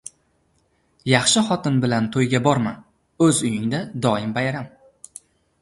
• Yaxshi xotin bilan to‘yga borma, o‘z uyingda doim bayram.